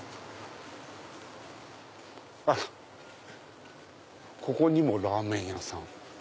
あらここにもラーメン屋さん。